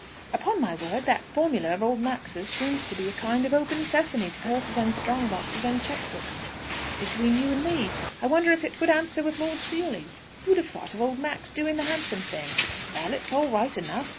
"Upon my word, that formula of old Max's seems to be a kind of open sesame to purses and strong boxes and cheque books! 'As between you and me.' I wonder if it would answer with Lord Seely? Who'd have thought of old Max doing the handsome thing? Well, it's all right enough.